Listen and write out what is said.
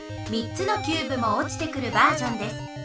３つのキューブもおちてくるバージョンです。